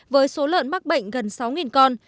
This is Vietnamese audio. với số lợn mắc bệnh gần sáu con